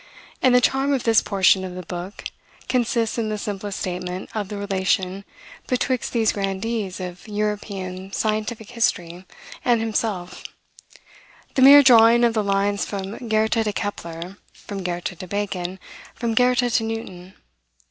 and the charm of this portion of the book consists in the simplest statement of the relation betwixt these grandees of European scientific history and himself; the mere drawing of the lines from Goethe to Kepler, from Goethe to Bacon, from Goethe to Newton.